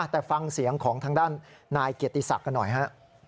แต่ฟังเสียงของทางด้านนายเกียรติศักดิ์กันหน่อยฮะ